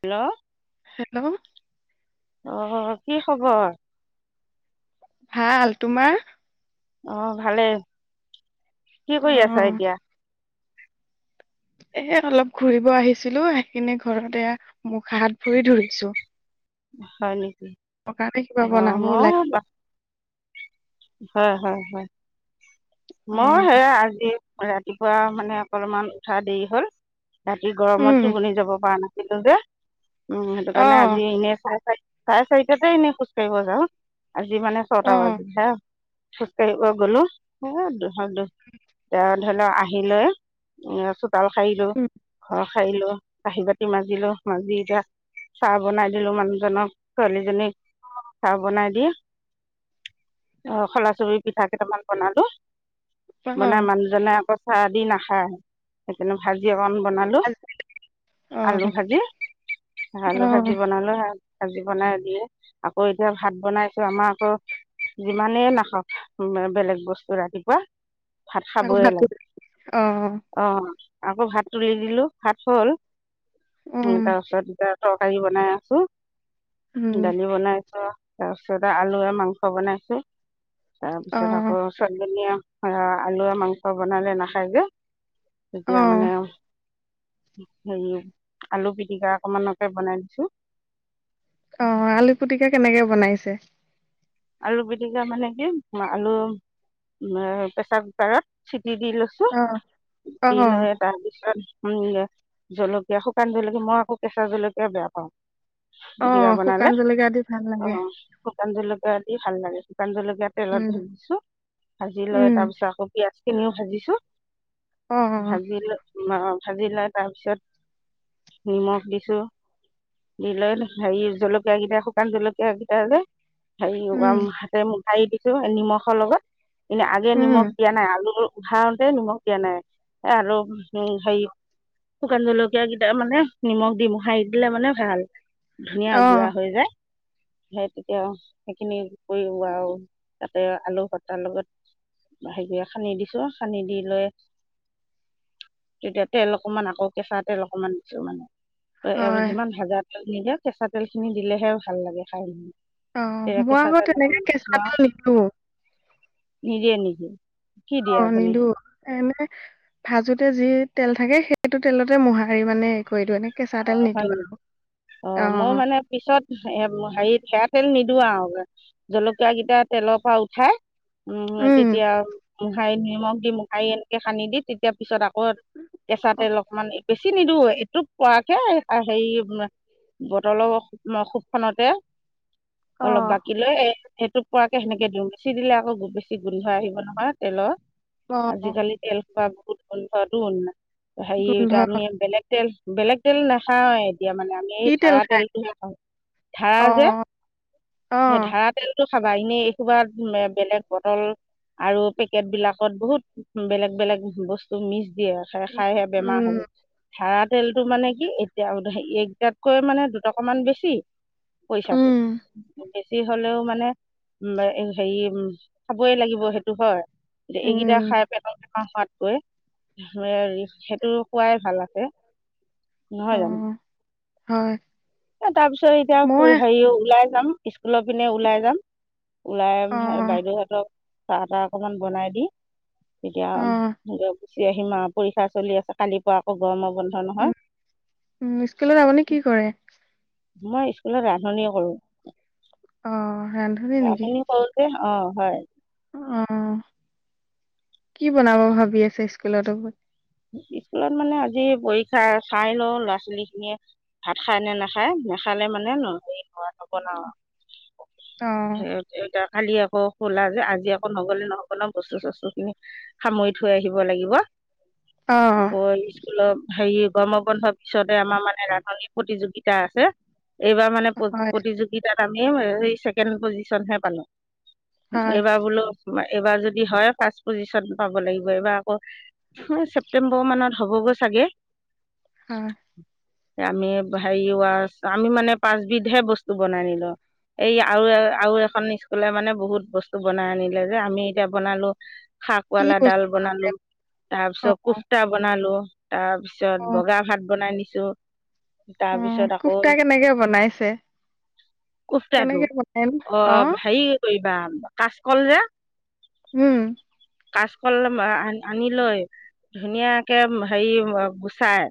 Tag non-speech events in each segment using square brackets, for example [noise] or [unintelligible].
Hello. Hello. অ, কি খবৰ? ভাল। তোমাৰ? অ, ভালেই কি অ কৰি আছা এতিয়া? এ, অলপ ঘূৰিব আহিছিলো আহি কিনে ঘৰত এয়া মুখ হাত ভুৰি ধৰিছোঁ। হয় নেকি থকাৰ [inaudible] কিবা অঁ বনাব ময়ো ওলাগ। হয়, হয়, হয়, অ মই সেয়া আজি ৰাতিপুৱা মানে অকলমান উঠা দেৰি হ'ল। ৰাতি গৰমতো উম বুনি যাব পৰা নাছিলো যে উম সেইটো অ কাৰণে আজি এনে চাই চাই। চাৰে চাৰিটাতে এনেই খোজকাঢ়িব যাওঁ আজি মানে অ ছটা বাজি হা। খোজ কাঢ়িবৈ গলো তেওঁ ধৰি লওক আহি লৈ। এ চোতাল খাইিলো উম ঘৰ খাইিলো কাঁহি বাতি মাজিলো মাজি এতিয়া। চাহ বনাই দিলো মানুহজনক ছোৱালীজনীক চাহ বনাই দি। অ খলা চৰি পিঠা কেইটামান বনালো অ বনাই মান। জনে আকৌ চাহ দি নাখায় সেইকাৰণে ভাজি অকণ বনাই। আজি অ আলু ভাজি আলু অ ভাজি বনালো। আাজি বনাই দিয়ে আকৌ এতিয়া ভাত বনাইছো আমাৰ আকৌ। যিমানেই নাখাওক, বেলেগ বস্তু ৰাতিপুৱা। ভাত আকৌ খাবয়ে ভাতো লাগে অ অ' আকৌ ভাত তুলি দিলো, ভাত হ'ল উম তাৰপাছত এয়া তৰকাৰী বনাই আছো, উম দালি বনাইছো তাৰপিছতে আলুয়ে মাংস বনাইছো, অ তাৰপিছত আকৌ ছোৱালীজনীয়ে আলুুৱে মাংস বনালে নাখায় যে অ তেতিয়া মানে হেৰি, আলু পিটিকা অকমানকে বনাই দিছো অ' আলু পিটিকা কেনেকে বনাইছে আলু পিটিকা মানে কি, আলু প্ৰেচাৰ কুকাৰত চিটি দি লৈছো অ অ দি লৈয়ে তাৰ পিছত উম্ জলকীয়া শুকান জলকীয়া, মই আকৌ কেঁচা জলকীয়া বেয়া পাওঁ। অ পিটিকা বনালে, শুকান জলকীয়া দি ভাল লাগে অ' শুকান জলকীয়া দি ভাল লাগে শুকান জলকীয়া তেলত উম ভাজিছোঁ, ভাজি লৈ উম তাৰপিছত আকৌ পিঁয়াজখিনিও ভাজিছোঁ। অ ভাজিলো ভাজি লৈ তাৰপিছত নিমখ দিছোঁ দি লৈ হেৰি, জলকীয় কেইটা শুকান জলকীয়াকেইটা যে হেৰি। উম হাতে মোহাৰি দিছো নিমখৰ লগত, এনেই আগে উম নিমখ দিয়া নাই আলু খাওতেজ নিমখ দিয়া নাই আৰু উ হেৰি শুকান জলকীয়া কেইটা মানে নিমখ দি মো হাৰি দিলে মানে ভাল ধুনীয়া অ গুৰা হৈ যায়, সেই তেতিয়া সেইখিনি কৰি আৰু তাতে আলু বটাৰ লগত হেৰিয়ে খান্দি দিছো, খান্দি দি লৈ তেতিয়া তেল অকমান, আকৌ কেঁচা তেল অকমান দিছো মানে আৰু হয় যিমান ভাজা তেল নিদিয়ক, কেঁচা তেল খিনি দিলেহে ভাল লাগে খাই অ' তেতিয়া মই কেঁচা আকৌ তেল তেনেকে অকমান দিছোঁ কেঁচা আৰু তেল নিদো নিদিয়ে নিকি অ' নিদো এনে ভাজোতে যি তেল থাকে, সেইটো তেলতে মোহাৰি মানে কৰি দিওঁ এনেকে কেঁচা তেল নিদো, হয় নি আৰু মই অ' মানে পিছত হেৰিত হেৰা তেল নিদিওঁ আৰু জলকীয় কেইটা তেলৰ পৰা উঠাই উম্ উম তেতিয়া মোহাৰি নিমখ দি মোহাৰি এনেকে সানি দি তেতিয়া পিছত আকৌ কেঁচা তেল অকমান, বেছি নিদওঁ এটুপ পোৱাকে হেৰি বটলৰ মুখ খনতে অ অলপ বাকী লৈ এ এটুপ পৰাকে সেনেকে দিওঁ, বেছি দিলে আকৌ বেছি গোন্ধ আহিব নহয় তেলৰ, অ আজিকালি তেল খোৱা বহুত বন্ধতোন হেৰি গোন্ধ আমি বেলেগ তেল, বেলেগ তেল নাখাওৱে এতিয়া মানে আমি এই কি তেল ধাৰা খাই তেলটোহে খাও, ধাৰা অ যে, অ সেই ধাৰা তেল ধাৰা তেল খাবা, এনেই এসোপা বেলেগ বটল আৰু পেকেট বিলাকত বহুত বেলেগ বেলেগ বস্তু মিক্স দিয়ে আৰু খাই খাইহে বেমাৰ হব, উম ধাৰা তেলটো মানে কি, এতিয়া এইকেইটাতকৈ মানে দুটকামান বেছি পইচাটো, উম বেছি হলেও মানে হেৰি খাবই লাগিব সেইটো হয়, উম এইকেইটা খাই পেটৰ বেমাৰ হোৱাতকৈ অই, সেইটো খোৱাই ভাল আছে, অ নহয় জানো হয়। তাৰ পিছত এতিয়া মই হেৰি ওলাই যাম, স্কুলৰ পিনে ওলাই যাম অ ওলাই বাইদেউহঁতক চাহ তাহ অকমান বনাই দি অ তেতিয়া গুচি আহিম আৰু পৰীক্ষা চলি আছে কালিৰ পৰা আকৌ গৰমৰ বন্ধ উম নহয় উম, স্কুলত আপুনি কি কৰে? মই স্কুলত ৰান্ধনীয়ে কৰো। অ', ৰান্ধনী আপ নেকি [unintelligible] কওঁ যে অ হয় অ', কি বনাব ভাবি আছে স্কুলত ত স্কুলত মানে আজি পৰীক্ষা চাই লও ল'ৰা ছোৱালী খিনিয়ে ভাত খাই নে নাখায় নাখালে মানে ন হে হোৱাটোবনাও অ আৰু য়া কালি আকৌ খোলা যে আজি আকৌ নগলে নহ'ব ন বস্তু চস্তু খিনি সামৰি থৈ আহিব লাগিব। অ'। আকৌ স্কুলৰ হেৰি গৰমবন্ধৰ পিছতে আমাৰ মানে ৰান্ধনী প্ৰতিযোগিতা আছে এইবাৰ মানে হয় প্ৰতিযোগিতাত আমি ছেকেণ্ড পজিচনহে পালো। হয়, এইবাৰ বোলো এইবাৰ যদি হয় ফাৰ্ষ্ট পজিচন পাব লাগিব এইবাৰ আকৌ ছেপ্টেম্বৰ মানত হ'বগৈ চাগে। অ'। আমি হেৰি আমি মানে পাঁচবিধহে বস্তু বনাই নিলো। এই আৰু আৰু এখন স্কুলে মানে বহুত বস্তু বনাই আনিলে যে আমি এতিয়া বনালো কি শাকৱালা ডাল বস্তু বনালো তাৰ অ', পিছত কুফ্তা বনালো তাৰ পিছত অ', বগা ভাত বনাই নিছো। অ', তাৰপিছত আকৌ কোপ্তা কেনেকে বনাইছে? কুফ্তাটো কেনেকে বনাই নো? অ', হেৰি কৰিবা কাচকল যে উম। কাচকল আনি লৈ ধুনীয়াকে হেৰি গুচাই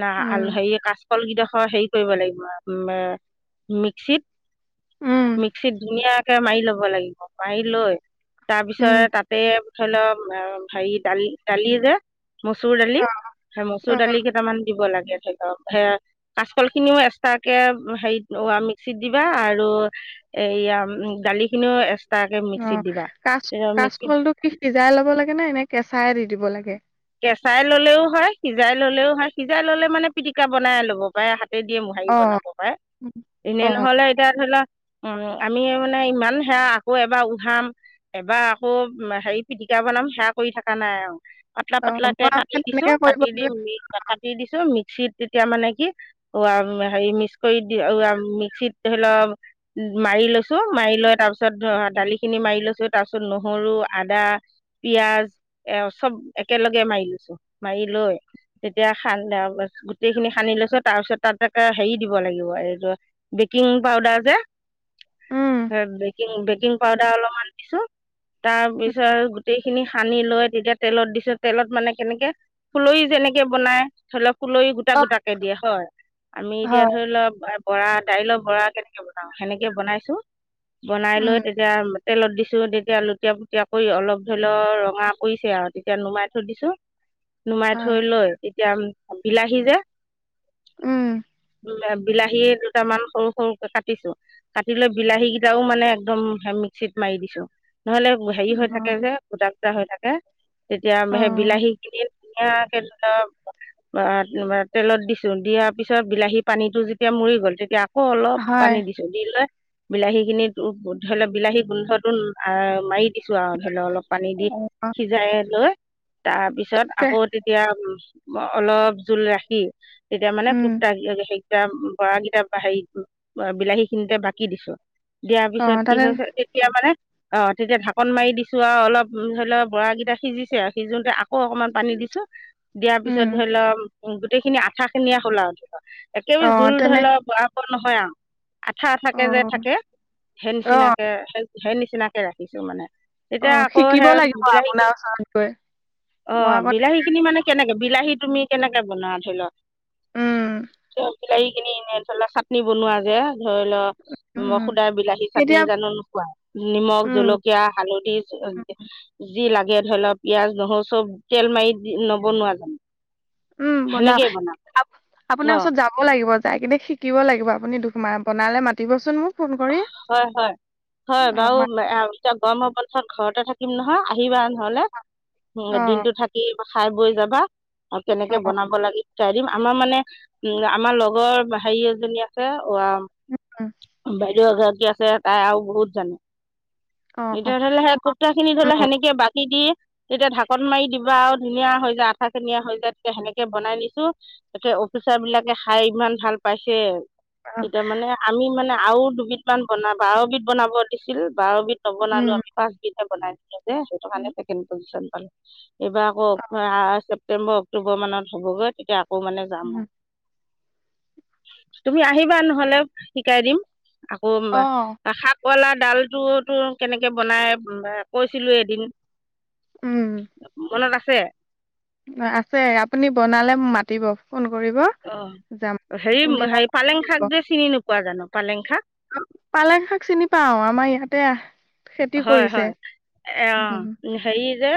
ন উম, হেৰি কাচকল কেইডোখৰ হেৰি কৰিব লাগিব মিক্সিত উম, মিক্সিত ধুনীয়াকে মাৰি ল'ব লাগিব মাৰি লৈ উম, তাৰপিছতে তাত সেই ধৰি লক হেৰি ডাল ডালি যে মচুৰ দালি অ', সেই মচুৰ অ', দালি কেইটামান দিব লাগে ধৰিলক সে কাচকল খিনিও এক্সট্ৰাকে হেৰিত মিক্সিত দিবা আৰু এয়া দালি খিনিও এক্সট্ৰাকে মিক্সিত দিবা মিক্সিত টো কি সিজাই ল'ব লাগে ন এনে কেঁচাই দি দিব লাগে কেঁচাই ললেও হয় সিজাই ললেও হয় সিজাই ললে মানে পিটিকা বনাই ল'ব পাৰে হাত হাতে দিয়ে মোহাৰি অ', বনাব পাৰে এনে অ', নহলে এতিয়া ধৰি লোৱা উ আমি মানে ইমান সেয়া আকৌ এবাৰ উহাম এবাৰ আকৌ হেৰি পিটিকা বনাম সেৱা কৰি থকা নাই আৰু পাতলা অ', পাতলাকে মই কাটি আকৌ দিছো তেনেকে কৰিব কাটি দি লাগে, কাটি দিছো মিক্সিত তেতিয়া মানে কি হেৰি মিক্স কৰি মিক্সিত ধৰিলক মাৰি লৈছো মাৰি লৈ তাৰ পিছত দালিখিনি মাৰি লৈছো তাৰ পিছত নহৰু আদা পিয়য়াজ এ চব একেলগে মাৰি লৈছো মাৰি লৈ তেতিয়া খান গোটেইখিনি সানি লৈছো তাৰপিছত তাতে হেৰি দিব লাগিব এইটো বেকিং পাউদাৰ যে উম, বেকিং, বেকিং পাউদাৰ অলপমান দিছো তাৰ পিছত গোটেই খিনি সানি লৈ তেতিয়া তেলত দিছোঁ তেলত মানে কেনেকে ফুলহি যেনেকে বনাই ধৰি লওক কুলৰি গোটা অ', গোটাকে দিয়ে হয় আমি এতিয়া হয়। ধৰি লওক বৰা দাইলৰ বৰা কেনেকে বনাও সেনেকে বনাইছো বনাই উম, লৈ তেতিয়া তেলত দিছো তেতিয়া লুটীয়া পুটীয়া কৰি অলপ ধৰি লও ৰঙা কৰিছে আৰু এতিয়া নুমাই থৈ দিছো নুমাই থৈ হয়, লৈ এতিয়া বিলাহী যে উম বিলাহীয়ে দুটামান সৰু সৰুকে কাটিছো কাটি লৈ বিলাহী কেইটাও মানে একদম মিক্সিত মাৰি দিছো নহলে হেৰি হৈ অ', থাকে যে গোটা গোটা হৈ থাকে। তেতিয়া সেই অ', বিলাহী কিনি ধুনীয়া সেই বা তেলত দিছো দিয়াৰ পিছত বিলাহী পানীতটো যেতিয়া মৰি গ'ল তেতিয়া অলপ হয়। পানী দিছো দি লৈ বিলাহী খিনিত ধৰি লও বিলাহী গোন্ধটো মাৰি দিছো আৰু ধৰি লও অলপ পানী দি অ', সিজাই লৈ তাৰপিছত তে আকৌ এতিয়া অলপ জোল ৰাখি তেতিয়া মানে উম, কুক বৰা কিটা হেৰি বিলাহী খিনিতে বাকি দিছো দিয়াৰ পিছত অ', কি তাতে হৈছে তেতিয়া মানে অ', তেতিয়া ঢাকন মাৰি দিছো আৰু অলপ ধৰি লওক বৰাকিটা সিজিছে আৰু সিজোতে আকৌ অকমান পানী দিছো দিয়াৰ উম, পিছত ধৰি লওক গোটেইখিনি আঠা খিনিয়ে খোলা ধৰি একেবাৰে অ', জোল ধৰি তেনে ল ব নহয় আৰু আঠা আঠাকে যে অ', থাকে সেই অ', নিচিনাকে সেই নিচিনাকে ৰাখিছো মানে অ তেতিয়া আকৌ শিকিব সেই লাগিব বিলাহী কিনি [unintelligible] মই অ', আকৌ বিলাহী খিনি মানে কেনেকে বিলাহী তুমি কেনেকে বনোৱা ধৰি লওক উম বিলাহী কিনি ধৰি লওক চাটনি বনোৱা যে ধৰি লওক উম সুদাৰ বিলাহী চাটনি তেতিয়া জানো নোখোৱা নিমখ উম জলক তেতিয়া হালধি যি লাগে ধৰি লওক পিয়াজ নহৰু চব তেল মাৰি নবনোৱা জানো উম বনাও সেনেকেই বনাম আপোনাৰ অঁ ওচৰত যাম লাগিব যাই কিনে শিকিব লাগিব আপুনি দুখ ম বনালে মাতিবচোন মোক ফোন কৰি হয় হয় হয় অ বাৰু মা এতিয়া গৰমৰ বন্ধত ঘৰতে থাকে থাকিম নহয় আহিবা নহলে অ দিনতটো থাকি খাই বৈ যাবা অ কেনেকে বনাব লাগে চাই দিম আমাৰ মানে উম আমাৰ লগৰ হেৰি এজনী আছে [inaudible] বাইদেউ আগৰ কি আছে তাই আৰু বহুত জানে অ অ এতিয়া ধৰি ললে সেই বনাম। কুক্তা খিনি ধৰি লও সেনেকে বাকি দি তেতিয়া ঢাকন মাৰি দিবা আৰু ধুনীয়া হৈ যায় আঠাখিনিয়া হৈ যায় তেতিয়া সেনেকে বনাই নিছো অফিচাৰ বিলাকে খাই ইমান ভাল পাইছে অ এতিয়া মানে আমি মানে আৰু দুবিধ মান বনা বাৰবিধ বনাব দিছিল বাৰবিধ উম বনালো ফাৰ্ষ বনাই দিলো যে সেইটো উম কাৰণে পালো এইবাৰ আকৌ ছেপটেম্বৰ অক্টোবৰ মানত হ'বগৈ তেতিয়া আকৌ মানে যাম আৰু উম, তুমি আহিবা নহলে শিকাই দিম। আকৌ অ সাত কলা ডালটোতো কেনেকে বনাই কৈছিলো এদিন উম মনত আছে আছে আপুনি বনালে মাতিব ফোন কৰিব। যাম অ', হেৰি কোনদিনা হে পালেং শাক যে চিনি নোপোৱা জানো পালেং শাক পালেং শাক চিনি পাও আমাৰ ইয়াতে খেতি হয় কৰিছে হয় উম অ', হেৰি যে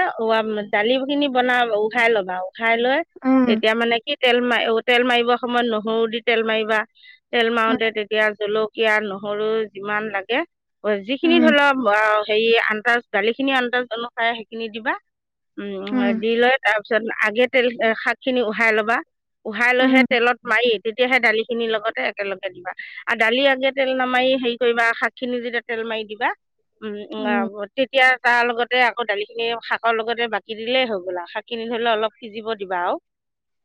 দালি খিনি বনাব উখাই লবা উখাই লৈ উম তেতিয়া মানে কি তেল মাৰি তেল মাৰিব সময়ত নহৰু দি তেল মাৰিবা তেল উম মাৰোতে তেতিয়া জলুক জলকিয়া নহৰু যিমান লাগে যিখিনি উম ধৰি লক হেৰি আন্তাজ দালিখিনি আন্তাজ অনুসাৰে সেইখিনি দিবা উম দি লৈ তাৰ তাৰপিছত আগে তেল শাক খিনি উহাই লবা উহাই লৈহে উম। তেলত মাৰি তেতিয়াহে দালি খিনিৰ লগতে একেলগে দিবা আৰু দালি আগে তেল নামাৰি হেৰি কৰিবা শাক খিনি যেতিয়া তেল মাৰি দিবা উম উ তেতিয়া তাৰ লগতে আকৌ দালি খিনি শাকৰ লগতে বাকি দিলেই হৈ গ'ল আৰু শাক কিনি ধৰিলেও অলপ সিজিব দিবা আৰু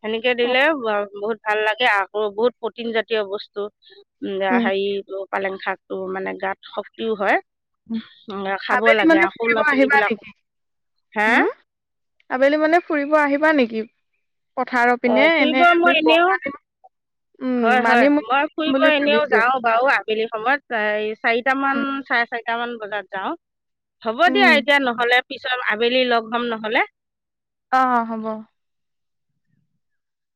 সেনেকে অ দিলে বহুত ভাল লাগে আকৌ বহুত প্ৰটিন জাতীয় বস্তু উম উম, হেৰিটো পালেং শাক টো মানে গাত শক্তিও হয় উম, খাব আবেলি লাগে মানে আৰু সৰু ফুৰিব ল'ৰা আহিবা ছোৱালীবিলাকক নেকি হে হম আবেলি মানে ফুৰিব আহিবা নেকি পথাৰৰ অ পিনে ফুৰিব এনে মই আমি এনেও উম মানি মুনি [unintelligible] বুলি ভাবিছো বাৰ আবেলি সময়ত চাৰিট মান উম চাৰে চাৰিট মান বজাত যাওঁ হ'ব উম দিয়া এতিয়া নহলে পিছত আবেলি লগ হম নহলে অ অ হ'ব